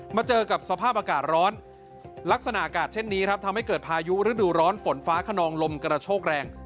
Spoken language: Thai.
มาเจอกับสภาพอากาศร้อนลักษณะอากาศเช่นนี้ครับทำให้เกิดพายุฤดูร้อนฝนฟ้าขนองลมกระโชกแรง